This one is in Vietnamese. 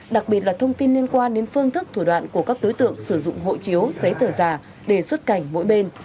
đặc biệt là thông tin liên quan đến phương thức thủ đoạn của các đối tượng sử dụng hộ chiếu giấy tờ giả để xuất cảnh mỗi bên